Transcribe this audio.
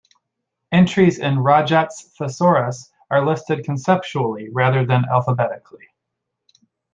Entries in "Roget's Thesaurus" are listed conceptually rather than alphabetically.